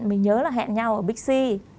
mình nhớ là hẹn nhau ở bixi